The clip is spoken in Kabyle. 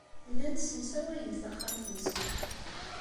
Llant ssemsawayent taxxamt-nsent.